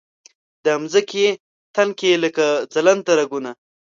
د مځکې تن کې لکه ځلنده رګونه